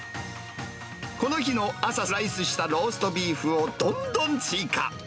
この日の朝、スライスしたローストビーフをどんどん追加。